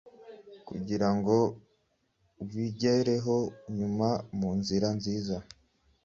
kugirango ubigereho nyura munzira nziza